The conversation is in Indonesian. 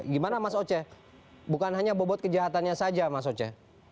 gimana mas oce bukan hanya bobot kejahatannya saja mas oce